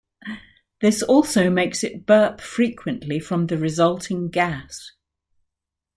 This also makes it burp frequently from the resulting gas.